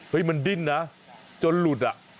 มันดิ้นนะจนหลุดอ่ะ